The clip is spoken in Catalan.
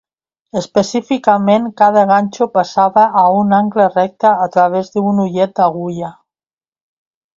Específicament, cada ganxo passava a un angle recte a través d'un ullet d'agulla.